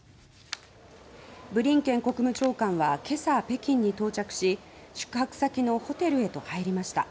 ブリンケン国務長官は今朝、北京に到着し宿泊先のホテルへと入りました。